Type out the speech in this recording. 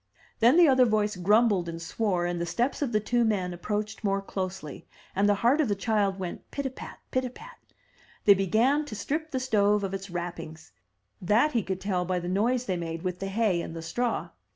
'' Then the other voice grumbled and swore, and the steps of the two men approached more closely, and the heart of the child went pit a pat, pit a pat. They began to strip the stove of its wrappings; that he could tell by the noise they made with the hay and the straw.